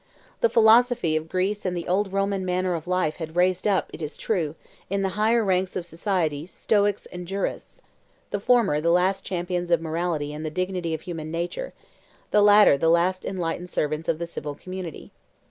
The philosophy of Greece and the old Roman manner of life had raised up, it is true, in the higher ranks of society Stoics and jurists, the former the last champions of morality and the dignity of human nature, the latter the last enlightened servants of the civil community.